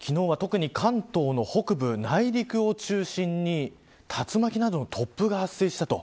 昨日、特に関東の北部内陸を中心に竜巻などの突風が発生したと。